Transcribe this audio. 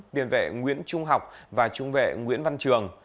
tiền vệ nguyễn trung học và trung vệ nguyễn văn trường